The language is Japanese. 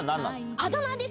あだ名です。